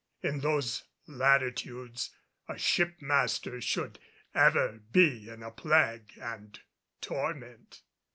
In those latitudes a ship master should ever be in a plague and torment.